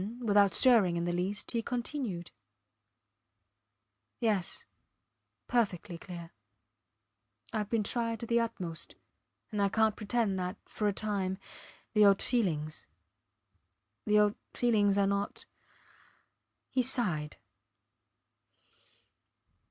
Then, without stirring in the least, he continued: Yes. Perfectly clear. Ive been tried to the utmost, and I cant pretend that, for a time, the old feelings the old feelings are not. ... He sighed.